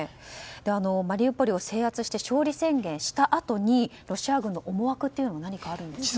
マリウポリを制圧して勝利宣言をしたあとにロシア軍の思惑というのは何かあるんですか。